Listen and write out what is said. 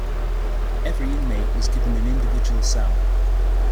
Every inmate was given an individual cell.